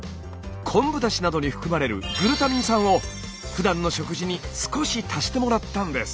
昆布だしなどに含まれるグルタミン酸をふだんの食事に少し足してもらったんです。